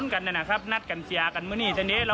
กลับไป